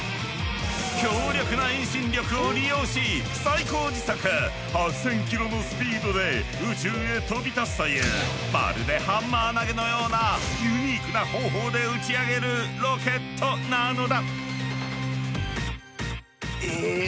強力な遠心力を利用し最高時速８，０００キロのスピードで宇宙へ飛び立つというまるでハンマー投げのようなユニークな方法で打ち上げるロケットなのだ！